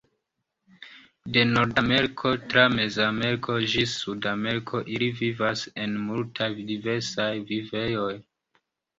De Nordameriko tra Mezameriko ĝis Sudameriko ili vivas en multaj diversaj vivejoj.